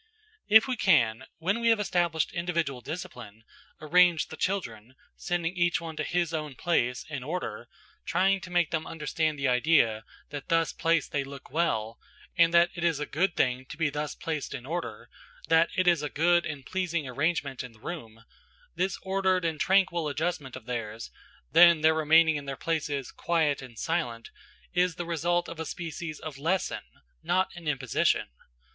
If we can, when we have established individual discipline, arrange the children, sending each one to his own place, in order, trying to make them understand the idea that thus placed they look well, and that it is a good thing to be thus placed in order, that it is a good and pleasing arrangement in the room, this ordered and tranquil adjustment of theirs–then their remaining in their places, quiet and silent, is the result of a species of lesson, not an imposition.